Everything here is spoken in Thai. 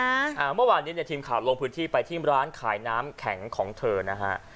อ่าเมื่อวานนี้เนี่ยทีมข่าวลงพื้นที่ไปที่ร้านขายน้ำแข็งของเธอนะฮะ